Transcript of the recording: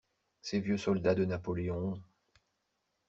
Ces vieux soldats de Napoléon!